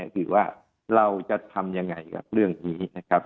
คือว่าเราจะทำยังไงกับเรื่องนี้นะครับ